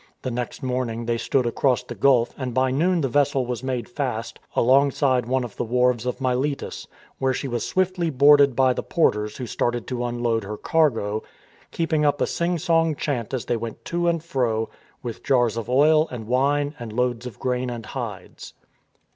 The next morning they stood across the gulf and by noon the vessel was made fast alongside one of the wharves of Miletus, where she was swiftly boarded by the porters who started to unload her cargo, keeping up a sing song chant as they went to and fro with jars of oil and wine and loads of grain and hides.